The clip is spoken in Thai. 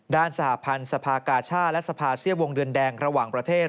สหพันธ์สภากาชาติและสภาเสี้ยวงเดือนแดงระหว่างประเทศ